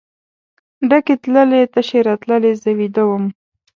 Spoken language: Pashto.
ډکې تللې تشې راتللې زه ویده وم.